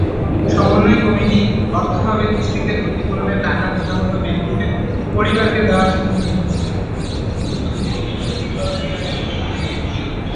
সমন্বয় কমিটি অর্থাভাবে কিস্তিতে ক্ষতিপূরণের টাকা হতাহত ব্যক্তিদের পরিবারকে দেওয়ার সিদ্ধান্ত নিয়েছে।